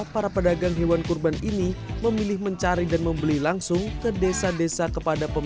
para pedagang hewan kurban ini memilih mencari dan membeli langsung ke desa desa kepada pemerintah